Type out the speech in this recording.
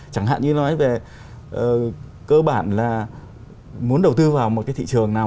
chẳng hạn như nói về cơ bản là muốn đầu tư vào một cái thị trường nào